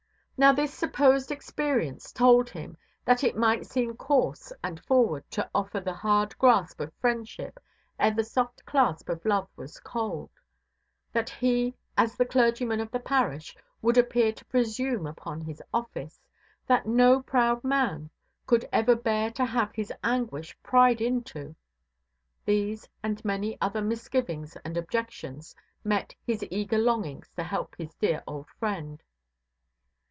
Now this supposed experience told him that it might seem coarse and forward to offer the hard grasp of friendship ere the soft clasp of love was cold; that he, as the clergyman of the parish, would appear to presume upon his office; that no proud man could ever bear to have his anguish pryed into. These, and many other misgivings and objections, met his eager longings to help his dear old friend.